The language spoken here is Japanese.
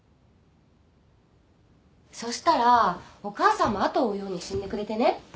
そしたらお母さんも後を追うように死んでくれてね。